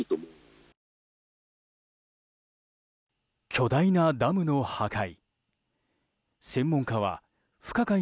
巨大なダムの破壊。